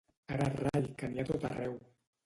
Ara rai que n'hi ha a tot arreu!